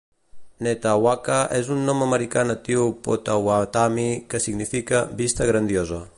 Netawaka és un nom americà natiu Pottawatami que significa "vista grandiosa".